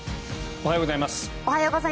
おはようございます。